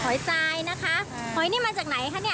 ทรายนะคะหอยนี่มาจากไหนคะเนี่ย